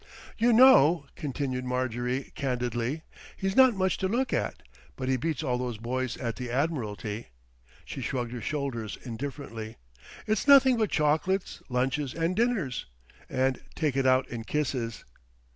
"You know," continued Marjorie candidly, "he's not much to look at; but he beats all those boys at the Admiralty." She shrugged her shoulders indifferently. "It's nothing but chocolates, lunches and dinners, and take it out in kisses."